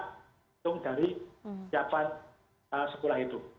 hitung dari siapa sekolah itu